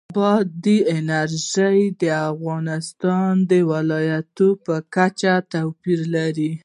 بادي انرژي د افغانستان د ولایاتو په کچه توپیر لري.